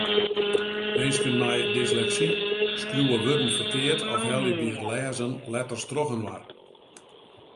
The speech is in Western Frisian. Minsken mei dysleksy skriuwe wurden ferkeard of helje by it lêzen letters trochinoar.